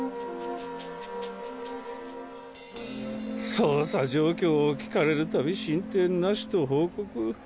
捜査状況を聞かれるたび進展なしと報告。